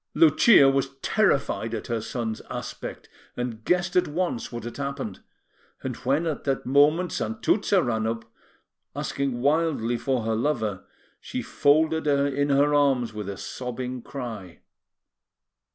Lucia was terrified at her son's aspect, and guessed at once what had happened; and when, at that moment, Santuzza ran up, asking wildly for her lover, she folded her in her arms with a sobbing cry.